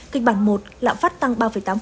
kịch bản một lạm phát tăng ba tám